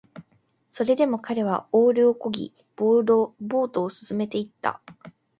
それでも彼はオールを漕ぎ、ボートを進めていった